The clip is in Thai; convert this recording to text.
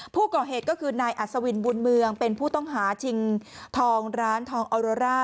ผู้ก่อเหตุก็คือนายอัศวินบุญเมืองเป็นผู้ต้องหาชิงทองร้านทองออโรร่า